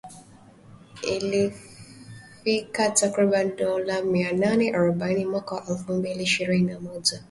Ilifikia takriban dola mia nane arobaini mwaka wa elfu mbili ishirini na moja.